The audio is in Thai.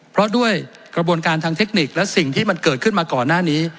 เพราะด้วยกระบวนการทางเทคนิคและสิ่งที่มันเกิดขึ้นมาก่อนหน้านี้